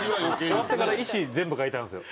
終わってから石全部描いたんですよ。